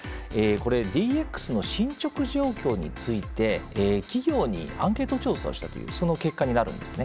これ、ＤＸの進捗状況について企業にアンケート調査をしたという、その結果になるんですね。